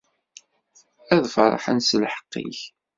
Ad ferrḥen s lḥeqq-ik.